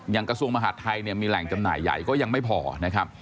กระทรวงมหาดไทยเนี่ยมีแหล่งจำหน่ายใหญ่ก็ยังไม่พอนะครับ